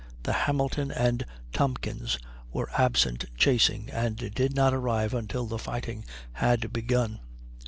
The Hamilton and Tompkins were absent chasing, and did not arrive until the fighting had begun.